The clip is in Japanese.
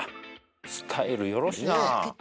スタイルよろしいなねえ